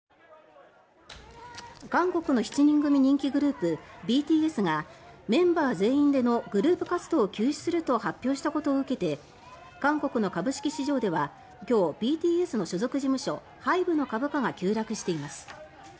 韓国の７人組人気グループＢＴＳがメンバー全員でのグループ活動を休止すると発表したことを受けて韓国の株式市場では今日、ＢＴＳの所属事務所ＨＹＢＥの株価が急落しています。